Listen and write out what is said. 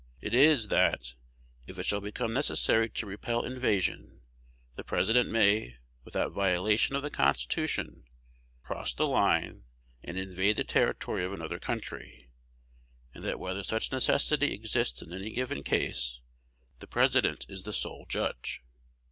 It is, that, if it shall become necessary to repel invasion, the President may, without violation of the Constitution, cross the line, and invade the territory of another country; and that whether such necessity exists in any given case, the President is the sole judge.